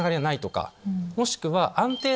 もしくは。